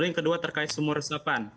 yang kedua terkait sumur resapan